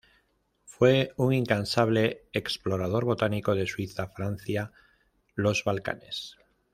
Fue un incansable explorador botánico de Suiza, Francia, los Balcanes.